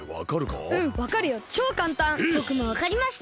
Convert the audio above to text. ぼくもわかりました。